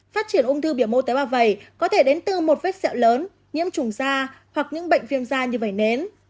phát triển ung thư biểu mô tế bào vẩy có thể đến từ một vết sẹo lớn nhiễm trùng da hoặc những bệnh viêm da như vẩy nến